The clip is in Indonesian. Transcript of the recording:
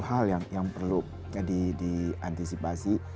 hal yang perlu diantisipasi